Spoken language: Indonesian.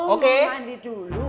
oh mau mandi dulu